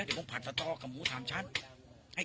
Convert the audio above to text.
สามารถติดจากโบโหมหารก่อน